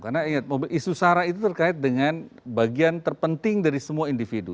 karena ingat isu sara itu terkait dengan bagian terpenting dari semua individu